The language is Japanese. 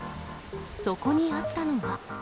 そこにあったのは。